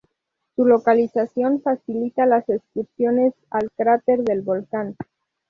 Su localización facilita las excursiones al cráter del volcán.